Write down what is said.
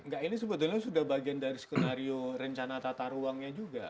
enggak ini sebetulnya sudah bagian dari skenario rencana tata ruangnya juga